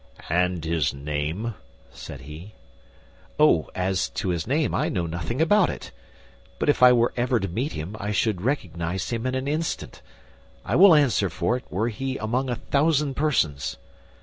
"And his name?" said he. "Oh, as to his name, I know nothing about it; but if I were ever to meet him, I should recognize him in an instant, I will answer for it, were he among a thousand persons."